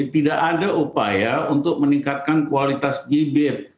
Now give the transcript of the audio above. tidak ada upaya untuk meningkatkan kualitas bibit